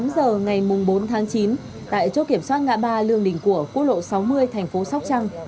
một mươi tám giờ ngày bốn tháng chín tại chỗ kiểm soát ngã ba lương đình của khu lộ sáu mươi tp sóc trăng